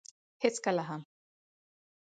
هېڅکله هم.